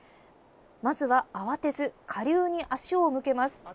まずは慌てず下流に足を向けます。